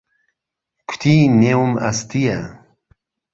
کوتی: نێوم ئەستییە